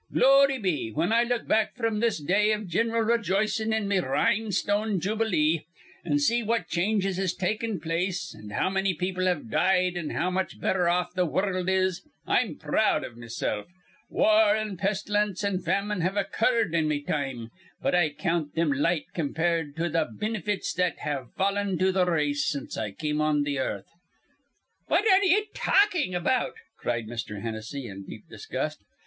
"Glory be, whin I look back fr'm this day iv gin'ral rejoicin' in me rhinestone jubilee, an' see what changes has taken place an' how manny people have died an' how much betther off th' wurruld is, I'm proud iv mesilf. War an' pest'lence an' famine have occurred in me time, but I count thim light compared with th' binifits that have fallen to th' race since I come on th' earth." "What ar re ye talkin' about?" cried Mr. Hennessy, in deep disgust.